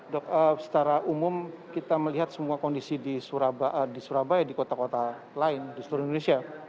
dok secara umum kita melihat semua kondisi di surabaya di kota kota lain di seluruh indonesia